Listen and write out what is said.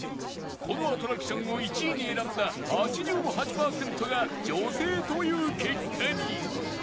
このアトラクションを１位に選んだ８８パーセントが女性という結果に